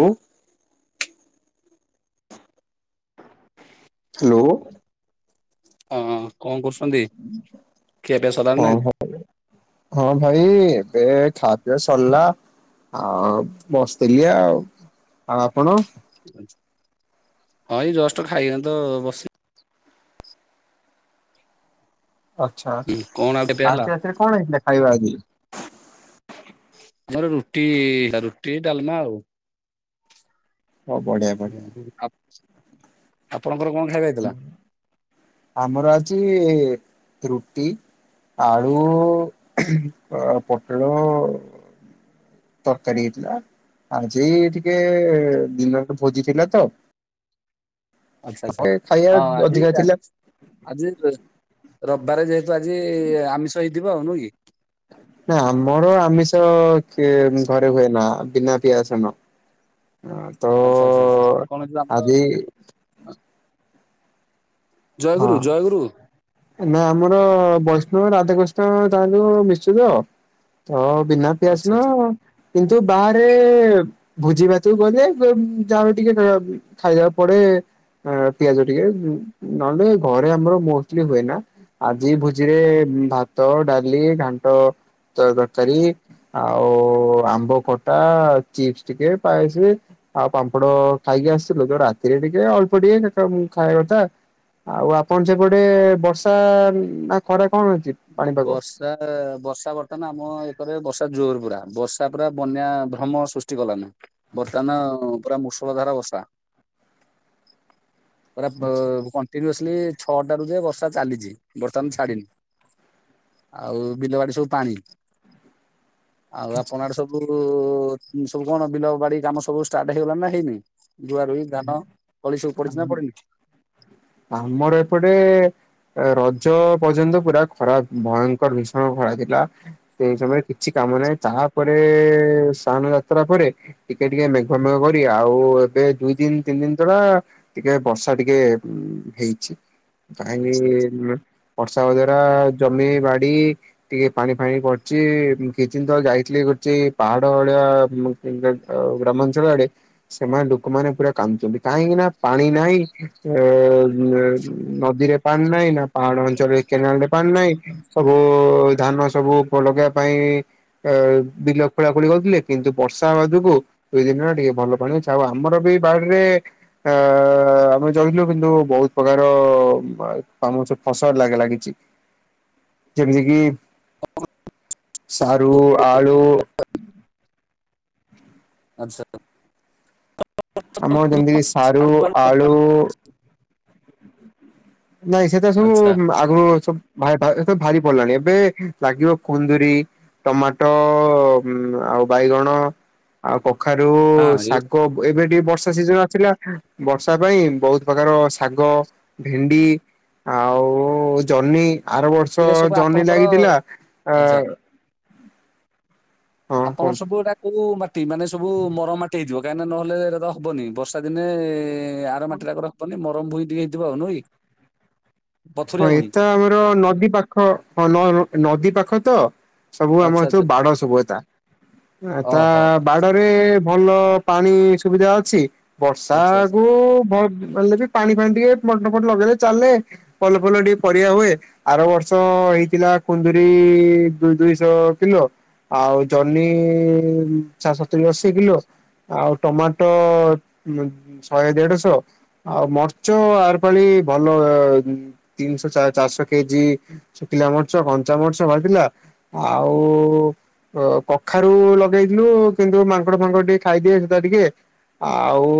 ବୋଉ। ହ୍ୟାଲୋ। ହଁ କଣ କରୁଛନ୍ତି? ଖିଆ ପିଆ ସରାନି ହଁ ନା ନାଇଁ। ହଁ ହଁ ଭାଇ ଏବେ ଖା ପିଅ ସରିଲା। ଆଉ ବସିଥିଲି ଆଉ। ଆଉ ଆପଣ? ହଁ ଏଇ ଜଷ୍ଟ ଖାଇବା ତ ବସି ଆଚ୍ଛା ଆଚ୍ଛା କଣ ଆଉ ଖିଆପିଆ ହେଲା? ଆଜି ରାତିରେ କଣ ହେଇଥିଲା ଖାଇବା ଆଜି? ଜାର ରୁଟି ରୁଟି ଡାଲମା ଆଉ। ହଉ ବଢିଆ। ବଢିଆ ଆପଣଙ୍କର କଣ ଖାଇବା ହେଇଥିଲା। ଆମର ଆଜି ରୁଟି। ଆଳୁ ଆ ପୋଟଳ। ତରକାରୀ ହେଇଥିଲା ଆଜି ଟିକେ ଦିନରେ ଭୋଜି ଥିଲା ତ। ଆଚ୍ଛା ଆଚ୍ଛା ଖାଇବା ହଁ ଆଜି ଅଧିକା ଥିଲା। ଆଜି ଆଜି ରବିବାରେ ଯେହେତୁ ଆଜି ଆମିଷ ହେଇଥିବ ଆଉ ନୁହଁ କି? ନା ଆମର ଆମିଷ କି ଘରେ ହୁଏ ନା ବିନା ପିଆଜରସୁନ। [inaudible] ଆଚ୍ଛା ଆଚ୍ଛା ଆଚ୍ଛା କଣ ହେଇଥିବ ଆମର? ଆଜି ଜୟଗୁରୁ ହଁ ଜୟଗୁରୁ। ନା ଆମର ବୈଷ୍ଣବ ରାଧାକୃଷ୍ଣ ତାର ଯୋଉ ମିଶ୍ଚିତ। ହଁ ବିନା ଆଚ୍ଛା ଆଚ୍ଛା ପିଆଜରସୁଣ କିନ୍ତୁ ବାହାରେ ଏ ଭୋଜି ଭାତ ବି କରିବେ ଯାହା ଟିକେ ଖାଇବା ଖାଇବାକୁ ପଡେ। ଆଁ ପିଆଜ ଟିକେ ନହେଲେ ଘରେ ଆମର ମୋଚ୍ଚ୍ଲି ହୁଏ ନା ଆଜି ଆଚ୍ଛା। ଭୋଜିରେ ଭା ତ, ଡାଲି, ଘାଣ୍ଟ, ତ ତରକାରୀ ଆଉ ଆମ୍ବ ଖଟା ଚିପ୍ସ ଟିକେ ପାଏସ ଆଉ ପାମ୍ପଡ ଖାଇକି ଆସିଥିଲୁ ଯୋଉ ରାତିରେ ଟିକେ ଅଳ୍ପ ଟିକେ ଖାଇବା କଥା। ଆଉ ଆପଣ ସେପଟେ ବର୍ଷା ନା ଖରା କଣ ରହିଛି ପାଣିପାଗ? ତା ବର୍ଷା ବର୍ତ୍ତମାନ ଆମ ଏକରେ ବର୍ଷା ଜୋରେ ପୁରା ବର୍ଷା ପୁରା ବନ୍ୟା ଭ୍ରମ ସୃଷ୍ଟି କଲାନି। ବର୍ତ୍ତମାନ ପୁରା ମୂଷଳ ଧାରା ବର୍ଷା। [unintelligible] ପୁରା ପୁ କଣ୍ଟିନ୍ୟୁସ୍ଲି ଛଅଟା ରୁ ଯେ ବର୍ଷା ଚାଲିଛି ବର୍ତ୍ତମାନ ଛାଡ଼ିନି। ଆଉ ବିଲ ବାଡ଼ି ସବୁ ପାଣି, ଆଉ ଆପଣ ଆଡ଼େ ସବୁ ଉ ଉ ଉ ସବୁ କଣ ବିଲ ବାଡ଼ି କାମ ସବୁ ଷ୍ଟାର୍ଟ ହେଇଗଲାଣି ନା ହେଇନି ରୁଆ ରୁଇ? ଧାନ ତଳି ସବୁ ପଡ଼ିଛି ନା ଆମ ପଡ଼ିନି? ଆମର ଏପଟେ ରଜ ପର୍ଯ୍ୟନ୍ତ ପୁରା ଖରା ଭୟଙ୍କର ଭୀଷଣ ଖରା ଥିଲା ସେଇ ସମୟରେ କିଛି କାମ ନାହିଁ ତାପରେ ସ୍ନାନ୍ ଯାତ୍ରା ପରେ ଟିକେ ଟିକେ ମେଘ ମେଘ କରି ଆଉ ଏବେ ଦୁଇ ତିନ ତିନି ଦିନ ତଳା ଟିକେ ବର୍ଷା ଟିକେ ହେଇଛି। ଆଚ୍ଛା କାହିଁକି ବର୍ଷା ହବା ଦ୍ଵାରା ଜମି ବାଡ଼ି ଟିକେ ପାଣି ଫାଣି ପଡ଼ିଛି କିଛି ଦିନ ତଳେ ଯାଇଥିଲି ଗୁଚି ପାହାଡ଼ ଭଳିଆ ଗା ଗା ଗ୍ରାମାଞ୍ଚଳ ଆଡ଼େ ସେମାନେ ଡୁ ଲୋକମାନେ ପୁରା କାନ୍ଦୁଛନ୍ତି, କାହିଁକି ନା ପାଣି ନାହିଁ ଏ ଏ ନଦୀରେ ପାଣି ନାହିଁ ନା ପାହାଡ଼ ଅଞ୍ଚଳ ରେ କେନାଲ ରେ ପାଣି ନାହିଁ, ସବୁ ଧାନ ସବୁ ପ ଲଗେଇବା ପାଇଁ ଆ ବିଲ ଖୋଳା ଖୋଳି କରୁଥିଲେ କିନ୍ତୁ ବର୍ଷା ହବା ଯୋଗୁଁ ଦୁଇ ଦିନରେ ଟିକେ ଭଲ ପାଣି ଅଛି ଆଉ ଆ ଆମର ବି ବାଡ଼ିରେ ଆ ଆମେ ଜଗିଲୁ କିନ୍ତୁ ବହୁତ ପ୍ରକାର ଆମ ସେ ଫସଲ ଲାଗିଲା କିଛି ଯେମିତି କିି ସାରୁ, ଆଳୁ ଆଚ୍ଛା। ଆମର ଯେମିତି କିି ସାରୁ, ଆଚ୍ଛା ଆଳୁ ନାଇଁ ସେଟା ସବୁ ଆଚ୍ଛା ଆଗରୁ ସବୁ [unintelligible] ପଡ଼ିଲାଣି ଏବେ ଲାଗିବ କୁନ୍ଦୁୁରୀ ଟମାଟୋ ଉଁ ଆଉ ବାଇଗଣ ଆଉ କଖାରୁ, ହଁ ଶା କୋ ଏବେ ଟିକେ ବର୍ଷା ସିଜନ୍ ଆସିଲା ବର୍ଷା ପାଇଁ ବହୁତ ପ୍ରକାର ର ଶାଗ ଭେଣ୍ଡି ଆଉ ଜହ୍ନି ଆର ବର୍ଷ ଏଇଟା ସବୁ ଜହ୍ନି ଆପଣଙ୍କର ଲାଗିଥିଲା ଆ ଆଚ୍ଛା। ଆପଣର କୁହନ୍ତୁ ସବୁ ଏରା କଉ ମାଟି ମାନେ ସବୁ ମରମ ମାଟି ହେଇଥିବ କାହିଁକି ନା ନହେଲେ ଏରାତ ହବନି ବର୍ଷା ଦିନେ ଏ ଆର ମାଟିରାକରେ ହବନି ମରମ ଭୂଇଁ ଟିକେ ହେଇଥିବ ଆଉ ନୁହେଁ କି? ପଥୁରିଆ ଭୂଇଁ ହୁଏତ ଆମର ନଦୀ ପାଖ ହଁ ନ ନଦୀ ପାଖ ତ ସବୁ ଆଚ୍ଛା ଆମର ସବୁ ଆଚ୍ଛା ବାଡ଼ ସବୁ ଏତା, ତା ଓହୋ ବାଡ଼ ରେ ଭଲ ପାଣି ସୁବିଧା ଅଛି ବର୍ଷା ଆଚ୍ଛା। କୁ ଭ ହେଲେବି ପାଣି ଫାଣି ଟିକେ ମଟର ଫଟର ଲଗେଇଲେ ଚାଲେ ଭଲ ଫଲ ଟିକେ ପରିବା ହୁଏ ଆର ବର୍ଷ ହେଇଥିଲା କୁନ୍ଦୁୁରୀ ଦୁଇ ଦୁଇଶହ କିଲୋ ଆଉ ଜହ୍ନି ଚା ସତୁରି ଅଶି କିଲୋ। ଆଉ ଟମାଟୋ ଶହେ ଦେଢ଼ ଶହ ଆଉ ମରିଚ ଆର୍ ପାଳି ଭଲ ତିନିଶହ ଚା ଚାରିଶହ କେଜି ଶୁଖିଲା ମର୍ଚ କଞ୍ଚାମର୍ଚ ବାହାରିଥିଲା। ଆଉ ଓ କଖାରୁ ଲଗେଇଥିଲୁ କିନ୍ତୁ ମାଙ୍କଡ଼ ଫାଙ୍କଡ଼ ଟିକେ ଖାଇଦିଏ ସେଟା ଟିକେ ଆଉ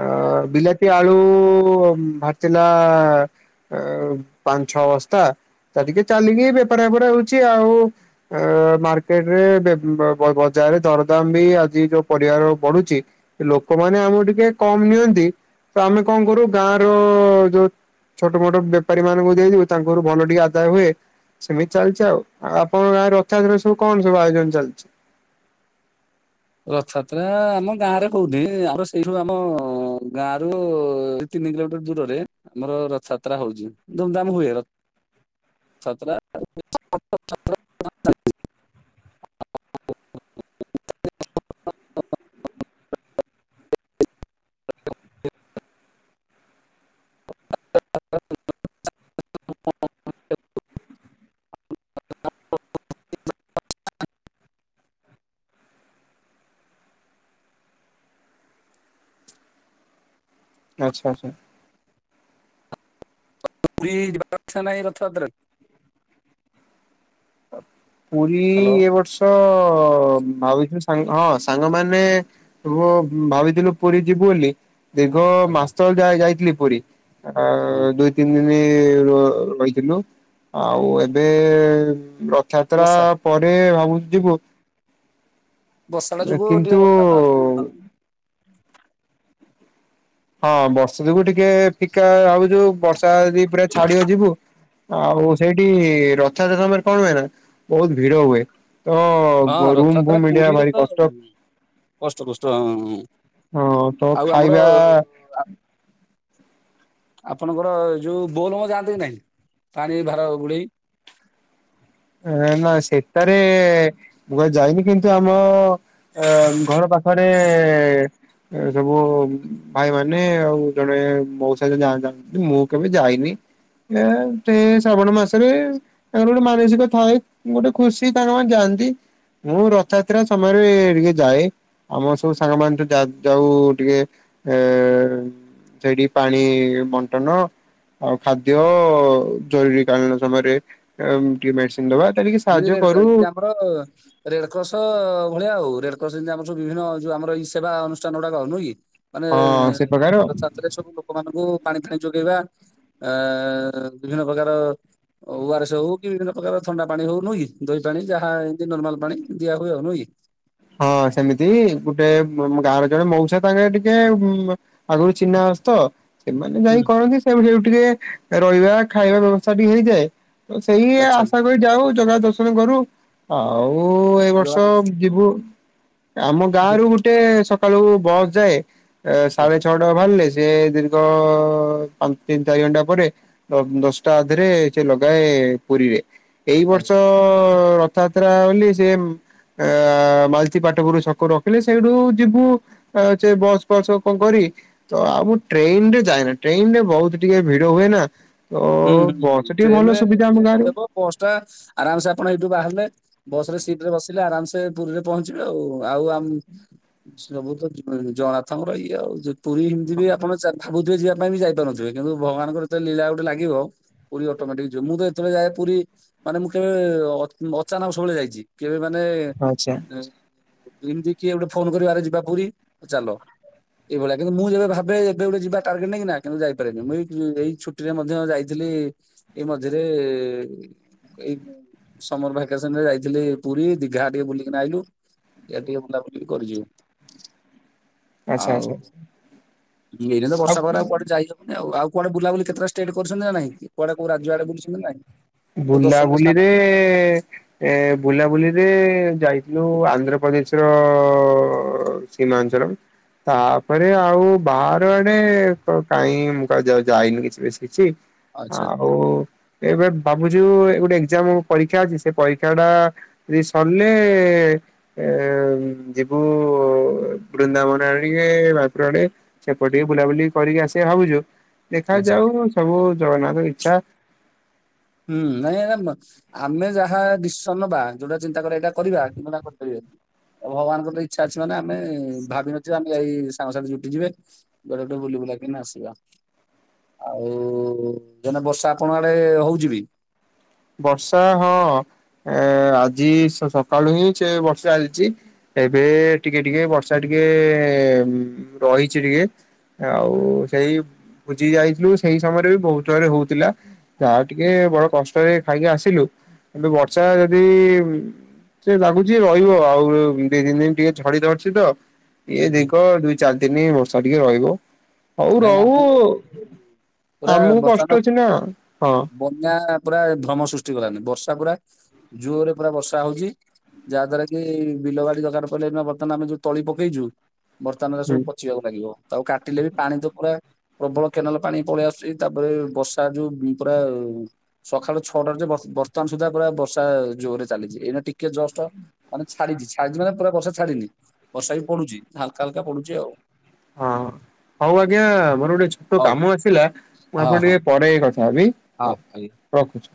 ଅ ବିଲାତି ଆଳୁ ଭାର୍ ଥିଲା ଆଉ ପାଞ୍ଚ ଛଅ ବସ୍ତା ତା ଟିକେ ଚାଲିକି ବେପାର [unintelligible] ହଉଛି ଆଉ ଅ ମାର୍କେଟ ରେ ବେ ବଜାରରେ ଦରଦାମ ବି ଆଜି ଯୋଉ ପରିବାର ବଢ଼ୁଛି ଲୋକମାନେ ଆମକୁ ଟିକେ କମ ନିଅନ୍ତି ତ ଆମେ କଣ କରୁ ଗାଁ ର ଯୋଉ ଛୋଟ ମୋଟ ବେପାରୀ ମାନଙ୍କୁ ଦେଇଦଉ ତାଙ୍କର ଭଲ ଟିକେ ଆଦାୟ ହୁଏ। ସେମିତି ଚାଲିଛି ଆଉ ଆଉ ଆପଣଙ୍କ ଗାଁରେ ରଥଯାତ୍ରା ସବୁ କଣ ସବୁ ଆୟୋଜନ ଚାଲିଛି? ରଥଯାତ୍ରା ଆମ ଗାଁ ରେ ହଉନି, ଆମର ସେଇଠୁ ଆମ ଗାଁ ରୁ ତିନି କିଲୋମିଟର ଦୂରରେ ଆମର ରଥଯାତ୍ରା ହୋଉଛି। ଧୁମ୍ ଧାମ ହୁଏ ରଥ ରଥଯାତ୍ରା। [unintelligible] ଆଚ୍ଛା [unintelligible] [unintelligible] ପୁରୀ ହ୍ୟାଲୋ ଏ ବର୍ଷ ଭାବିଥିଲୁ ସାଙ୍ଗ ହଁ ସାଙ୍ଗମାନେ ଭାବିଥିଲୁ ପୁରୀ ଯିବୁ ବୋଲି। ଦୀର୍ଘ ଆଚ୍ଛା ମାସ ଯାଇଥିଲି ପୁରୀ। ଓହୋ ଦୁଇ ଦିନି ରହିଥିଲୁ ଆଉ ଏବେ ରଥଯାତ୍ରା ବର୍ଷା ପରେ ଭାବୁଚୁ ଯିବୁ। ବର୍ଷାଟା ଯୋଗୁ ଟିକେ କିନ୍ତୁ ବର୍ତ୍ତମାନ ଆଉ ହଁ ହଁ ବର୍ଷା ଯୋଗୁ ଟିକେ ଫିକା ହାବଛୁ ବର୍ଷା ଯଦି ପୁରା ଛାଡିବ ଯିବୁ। ଆଉ ସେଇଠି ରଥଯାତ୍ରା ସମୟରେ କଣ ହୁଏ ନା ବହୁତ ଭିଡ ହୁଏ। ତ ହଁ ରୁମ୍ ଫୁମ ରଥଯାତ୍ରା ମିଲିବା ପୁରୀରେ ଭାରି ତ କଷ୍ଟ। କଷ୍ଟ କଷ୍ଟ ହ ହଁ ତ ଆଉ ଆମର ଖାଇବା ଆପଣଙ୍କର ଯୋଉ ବୋଲ ବମ ଯାଆନ୍ତି କି ନାହିଁ ପାଣି ଭାର ବୁଡେଇ? ନା ସେଟାରେ ମୁ ଯାଇନି କିନ୍ତୁ ଆମ ଅ ଘର ପାଖରେ ଏ ସବୁ ଭାଇ ମାନେ ଆଉ ଜଣେ ମୋଉସା ଯାଛନ୍ତି। ମୁଁ କେବେ ଯାଇନି ଏ ସେ ଶ୍ରାବଣ ମାସରେ ତାଙ୍କର ଗୋଟେ ମାନସିକ ଥାଏ ଗୋଟେ ଖୁସି ତାଙ୍କ ମାନ ଯାଆନ୍ତି। ମୁଁ ରଥଯାତ୍ରା ସମୟରେ ଟିକେ ଯାଏ। ଆମ ସବୁ ସାଙ୍ଗମାନେ ତ ଯାଉ ଟିକେ ଏ ସେଇଠି ପାଣି ବଣ୍ଟନ ଆଉ ଖାଦ୍ୟ ଜରୁରୀ କଳୀନ ସମୟରେ ଟିକେ ମେଡିସିନ ଦବା। ତା ଟିକେ [unintelligible] ସାହାଯ୍ୟ କରୁ ଯିଦି ଆମର ରେଡ କ୍ରସ ଭଳିଆ ଆଉ ରେଡ କ୍ରସ ଯେମିତି ଆମର ସୁ ବିଭିନ ଯଉ ଆମରଇ ସେବା ଅନୁଷ୍ଠାନ ଗୁଡାକ ନୁହଁ କି? ମାନେ ହଁ ସେ ପ୍ରକାର ରଥଯାତ୍ରାରେ ସବୁ ଲୋକମାନାନଙ୍କୁ ପାଣି ଫାଣି ଯୋଗେଇବା। ଆ ବିଭିନ୍ନ ପ୍ରକାର ଓ ଆର ଏସ ହଉ କି ବିଭିନ୍ନ ପ୍ରକାର ଥଣ୍ଡା। ପାଣି ହଉ ନୁହଁ କି ଦହି ପାଣି ଯାହା ଏମିତି ନର୍ମାଲ ପାଣି ଦିଆ ହୁଏ ଆଉ ନୁହଁ କି? ହଁ ସେମିତି ଗୋଟେ ଗାଁର ଜଣେ ମଉସା ତାଙ୍କରେ ଟିକେ ଆଗରୁ ଚିହ୍ନା ଅଛି ତ ସେମାନେ ହୁଁ ଯାଇ ହୁଁ କରନ୍ତି ସେ ଟିକେ ରହିବା ଖାଇବା ବ୍ୟବସ୍ଥା ଟିକେ ହେଇଯାଏ। ତ ସେଇ ଆଚ୍ଛା ଆଶା କରି ଯାଉ ଜଗା ଦର୍ଶନ କରୁ। ଆଉ ଏଇ ବର୍ଷ ଆଚ୍ଛା ଯିବୁ। ଆମ ଗାଁ ରୁ ଗୋଟେ ସକାଳୁ ବସ୍ ଯାଏ ସାଢେ ଆଚ୍ଛା ଛଅ ବାହାରିଲେ ସେ ଦୀର୍ଘ ପାଞ୍ଚ ତିନି ଚାରି ଘଣ୍ଟା ପରେ ଦଶଟା ଆଦେରେ ସେ ଲଗାଏ ପୁରୀରେ। ଏଇ ବର୍ଷ ଆଚ୍ଛା ରଥଯାତ୍ରା ବୋଲି ସେ ଅ ମାଲତି ପାଟପୁରୁ ଛକରୁ ରଖିଲେ ସେଇଠୁ ଯିବୁ ଆ ସେ ବସ ଫସ କଣ କରି। ତ ଆଉ ମୁଁ ଟ୍ରେନ ରେ ଯାଏନା ଟ୍ରେନ ରେ ବହୁତ ଟିକେ ଭିଡ ହୁଏ ନା। ତ ହୁଁ ବସ ଟିକେ ଭଲ ସୁବିଧା ଆମ ଗାଁରୁ। ବାସ୍ ଟା ଆରାମସେ ଆପଣ ଏଇଠୁ ବାହାରିଲେ ବସ ରେ ସିଟ ରେ ବସିଲେ ଆରାମସେ ପୁରୀରେ ପହଞ୍ଚିବେ। ଆଉ ଆଉ ଆମ ସବୁ ତ ଜଣାଥଙ୍କର ଇଏ ଆଉ। ପୁରୀ ଏମିତି ବି ଆପଣ ଚା ଭାବୁଥିବେ ଯିବା ପାଇଁ ବି ଯାଇପାରୁନଥିବେ କିନ୍ତୁ ଭଗାନଙ୍କର ଏତେ ଲୀଳା ଗୋଟେ ଲାଗିବ ପୁରୀ ଅଟୋମେଟିକ ଯିବେ, ମୁଁ ତ ଯେତେବେଳେ ଯାଏ ପୁରୀ ମାନେ ମୁଁ କେବେ ଅ ଅଚାନକ ସବୁବେଳେ ଯାଇଛି କେବେ ମାନେ ଆଚ୍ଛା ଏମିତି କିଏ ଗୋଟେ ଫୋନ କରିବ ଆରେ ଯିବା ପୁରୀ ତ ଚାଲ। ଏଇ ଭଳିଆ କିନ୍ତୁଁ ମୁଁ ଯେବେ ଭାବେ ଏବେ ଗୋଟେ ଯିବା ଟାର୍ଗେଟ ନେଇ କି ନା, କିନ୍ତୁ ଯାଇପାରନି ମୁଁ ଏଇ-ଏଇ ଛୁଟି ଛୁଟିରେ ମଧ୍ୟ ଯାଇଥିଲି ଏଇ ମଝିରେ ଏଇ ସମର ଭାକାସନ ରେ ଯାଇଥିଲି ପୁରୀ ଦିଘା ଟିକେ ବୁଲିକିନା ଆଇଲୁ। ଏଆଡ଼େ ଟିକେ ବୁଲାବୁଲି ବି କରିଛୁ। ଆଚ୍ଛା ଆଉ ଆଚ୍ଛା ଆଚ୍ଛା। ଏଇନା ତ ବର୍ଷା ପାଗରେ ଆଉ କୁଆଡେ ଯାଇ ଆଉ କୁଆଡ ବୁଲାବୁଲି କେତଟା ଷ୍ଟେଟ କରିଛନ୍ତି ନା ନାଇଁ, କୁଆଡେ କଉ ରାଜ୍ୟ ଆଡେ ବୁଲିଛନ୍ତି ନା ନାଇଁ? କୋଉ ଦର୍ଶନୀୟ ସ୍ଥାନ ବୁଲାବୁଲିରେ ଏ ବୁଲାବୁଲିରେ ଯାଇଥିଲୁ ଆନ୍ଧ୍ରପ୍ରଦେଶ ର ସୀମାଞ୍ଚଳମ ତାପରେ ଆଉ ବାହାର ରଆଡେ କ କାହିଁ ମୁଁ କୁ ଯାଇନି କିଛି ବେସି କିଛି। ଆଚ୍ଛା। ଆଉ ଏବେ ବାବୁଚୁ ଗୋଟେ ଏଜାମ ପରୀକ୍ଷା ଅଛି ସେ ପରୀକ୍ଷାଟା ଏଇ ସରିଲେ ଏ ଯିବୁ ବୃନ୍ଦାବନ ଆଡ଼େ ଟିକେ [unintelligible] ସେପଟେଟିକେ ବୁଲାବୁଲି କରିକି ଆସିବା ଭାବୁଛୁ ଦେଖା ଆଚ୍ଛା ଯାଉ ସବୁ ଜଗନ୍ନାଥଙ୍କ ଇଚ୍ଛା। ହୁଁ ନାଇଁ ଏରା ମ ଆମେ ଯାହା ଦିଶନ୍ ନବା ଯୋଉଟା ଚିନ୍ତା କରିବା ଏଇଟା କରିବା କିନ୍ତୁ ଏଟା କରିପାରିବାନି। ଭଗବାନଙ୍କ ତ ଇଚ୍ଛା ଅଛି ମାନେ ଆମେ ଭାବିନଥିବା ଆମେ ଯାଇ ସାଙ୍ଗସାଥି ଜୁଟି ଯିବେ। କୁଆଡେ ଗୋଟେ ବୁଲି ବୁଲାକିନା ଆସିବା। ଆଉ ଏଇନା ବର୍ଷା ଆପଣ ଆଡେ ହଉଛିିବି? ବର୍ଷା ହଁ ଏ ଆଜି ସକାଳୁ ହିଁ ସେ ବର୍ଷା ଚାଲିଛି। ଏବେ ଟିକେ ଟିକେ ବର୍ଷା ଟିକେ ରହିଛି ଟିକେ। ଆଉ ସେଇ ବୁଜି ଯାଇଥିଲୁ ସେଇ ସମୟରେ ବି ବହୁତ ଜୋରେ ହଉଥିଲା। ଯହା ଟିକେ ବଡ କଷ୍ଟରେ ଖାଇକି ଆସିଲୁ କିନ୍ତୁ ବର୍ଷା ଯଦି ସେ ଲାଗୁଛି ରହିବ ଆଉ ଦି ତିନ ଦିନ ଟିକେ ଝଡି ଧରିଛି ତ। ଇଏ ହୁଁ ହୁଁ ଦୀର୍ଘ ଦୁଇ ଚାରି ତିନି ବର୍ଷା ଟିକେ ରହିବ। ହଉ ନାଇଁ ଆମ ରହୁ ଇଆଡେ ପୁରା ଆମକୁ ବର୍ଷା ତ କଷ୍ଟ ଅଛି ନା ହଁ। ବନ୍ୟା ପୁରା ଭ୍ରମ ସୃଷ୍ଟି କଲାନି ବର୍ଷା ପୁରା ଜୋରରେ ପୁରା ବର୍ଷା ହଉଛି। ଯାହା ଦ୍ଵାରା କି ବିଲ ବାଡି ଦରକାର ପିଡିଲେ ବର୍ତ୍ତମାନ ଆମେ ଯୋଉ ତଳି ପକେଇଛୁ ବର୍ତ୍ତମାନ ଏରା ସବୁ ହୁଁ। ପଚିବାକୁ ଲାଗିବ ତାକୁ କାଟିଲେ ବି ପାଣି ତ ପୁରା ପ୍ରବଳ କେନାଲ ପାଣି ପଳେଇ ଆସୁଛି ତାପରେ ବର୍ଷା ଯୋଉ ପୁରା ସକାଳୁ ଛଅଟା ରୁ ଯେ ବା ବସ୍ତମାନ ସୁଦ୍ଧା ପୁରା ବର୍ଷା ଜୋରରେ ଚାଲିଛି ଏଇଟା ଟିକେ ଜଷ୍ଟ ମାନେ ଛାଡିଛି ଛାଡିଛି ମାନେ ପୁରା ବର୍ଷା ଛାଡିିନି, ବର୍ଷା ବି ପଡୁଛି ହାଲକା ହାଲକା ପଡୁଛି ଆଉ। ହଁ ହଉ ଆଜ୍ଞା ମୋର ଗୋଟେ ଛଟ ହଉ କାମ ଆସିଲା ମୁଁ ହଁ ଆପଣଙ୍କୁ ହଁ ଟିକେ ପରେ କଥା ହେବି। ହଁ ହଉ ଭାଇ ରଖୁଛି।